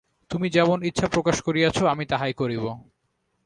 তুমি যেমন ইচ্ছা প্রকাশ করিয়াছ, আমি তাহাই করিব।